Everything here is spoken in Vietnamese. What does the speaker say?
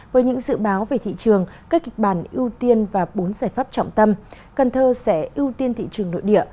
với những dự báo về thị trường các kịch bản ưu tiên và bốn giải pháp trọng tâm cần thơ sẽ ưu tiên thị trường nội địa